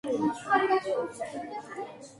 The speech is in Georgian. გაედინება ჩრდილოეთი ბრაბანტის ტერიტორიაზე.